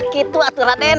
kitu atur raden